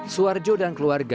suarjo dan keluarga